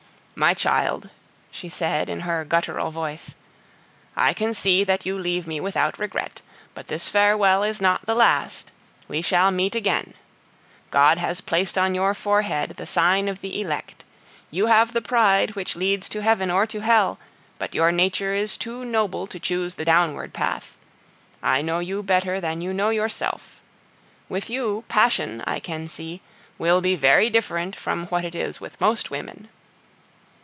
"My child," she said, in her guttural voice, "I can see that you leave me without regret, but this farewell is not the last; we shall meet again. God has placed on your forehead the sign of the elect. You have the pride which leads to heaven or to hell, but your nature is too noble to choose the downward path. I know you better than you know yourself; with you, passion, I can see, will be very different from what it is with most women."